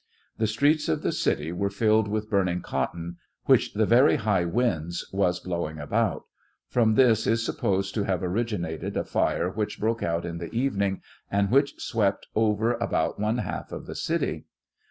The streets of the city were filled with burning cot ton, which the very high winds was blowing about; from this is supposed to have originated a,, fire which broke out in the evening, and which swept over about one half of the city.